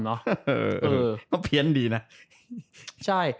เขาเพี้ยนดีนะ